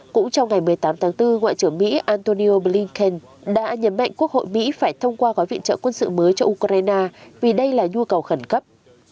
cũng trong ngày một mươi tám tháng bốn ngoại trưởng mỹ antonio blinken đã nhấn mạnh quốc hội mỹ phải thông qua gói viện trợ quân sự mới cho ukraine vì đây là nhu cầu khẩn cấp